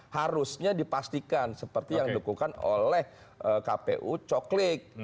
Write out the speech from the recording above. harusnya dipastikan seperti yang dilakukan oleh kpu coklik